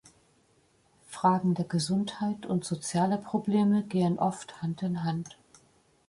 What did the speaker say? Fragen der Gesundheit und soziale Probleme gehen oft Hand in Hand.